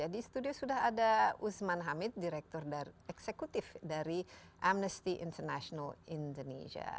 di studio sudah ada usman hamid direktur eksekutif dari amnesty international indonesia